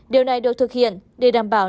điều này được thực hiện để đảm bảo